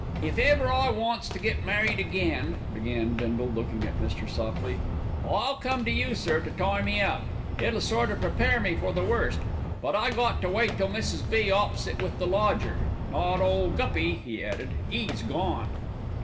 "If ever I wants to get married again," began Bindle, looking at Mr. Sopley, "I'll come to you, sir, to tie me up. It'll sort o' prepare me for the worst; but I got to wait till Mrs. B. 'ops it with the lodger; not 'ole Guppy," he added, "'e's gone."